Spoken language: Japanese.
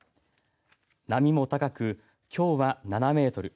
波も高く、きょうは７メートル